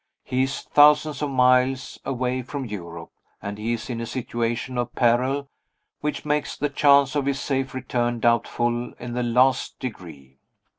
He is thousands of miles away from Europe, and he is in a situation of peril, which makes the chance of his safe return doubtful in the last degree.